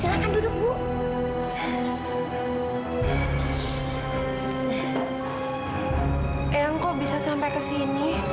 ayang kok bisa sampai kesini